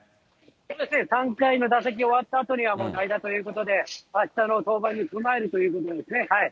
そうですね、３回の打席終わったあとには代打ということで、あしたの登板に備えるということですね。